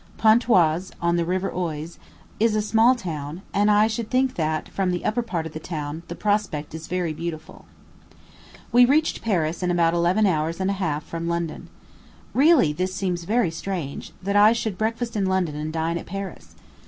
Pontoise, on the River Oise, is a small town; and I should think that, from the upper part of the town, the prospect is very beautiful. We reached Paris in about eleven hours and a half from London. Really, this seems very strange, that I should breakfast in London and dine at Paris.